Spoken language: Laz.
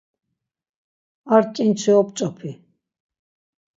Ar ǩinçi op̌ç̌opi.